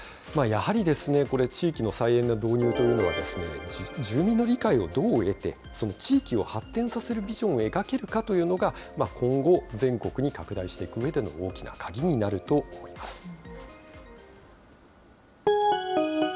やはり、これ、地域の再エネ導入というのは、住民の理解をどう得て、その地域を発展させるビジョンを描けるかというのが、今後、全国に拡大していくうえでの大きな鍵になると思います。